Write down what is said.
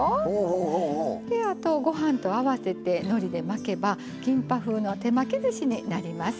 あとご飯と合わせてのりで巻けばキンパ風の手巻きずしになります。